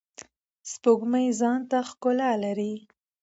سپوږمۍ ځانته ښکلا لری.